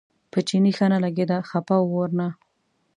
په چیني ښه نه لګېده خپه و ورنه.